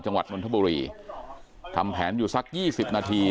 จังหวัดนวลธบุรีทำแผนอยู่สักยี่สิบนาที